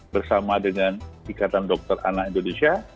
bersama dengan ikatan dokter anak indonesia